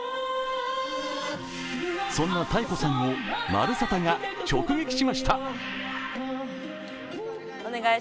そんなＴＡＥＫＯさんを「まるサタ」が直撃しました。